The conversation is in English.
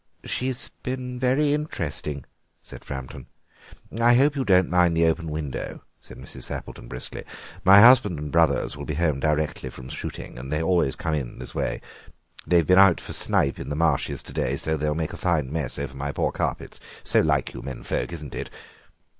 "She has been very interesting," said Framton. "I hope you don't mind the open window," said Mrs. Sappleton briskly; "my husband and brothers will be home directly from shooting, and they always come in this way. They've been out for snipe in the marshes to day, so they'll make a fine mess over my poor carpets. So like you men folk, isn't it?"